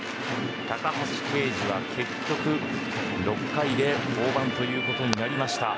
高橋奎二は結局６回で降板ということになりました。